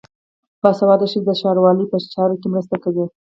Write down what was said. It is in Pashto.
باسواده ښځې د ښاروالۍ په چارو کې مرسته کوي.